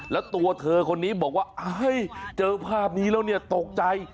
แล้วตัวเธอคนนี้บอกว่าเฮ้ยเจอภาพนี้แล้วตกใจ